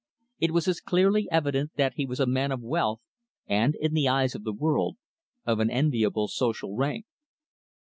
It was as clearly evident that he was a man of wealth and, in the eyes of the world, of an enviable social rank.